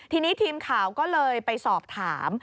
ทีนี้ทีมข่าวก็เลยไปสอบถาม